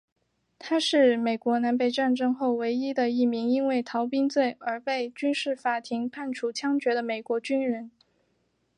他是美国南北战争后唯一的一名因为逃兵罪而被军事法庭判处枪决的美国军人。